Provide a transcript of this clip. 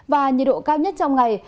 và nhiệt độ cao nhất trong ngày